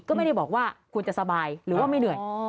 ก็ไม่ได้บอกว่าคุณจะสบายหรือว่าไม่เหนื่อย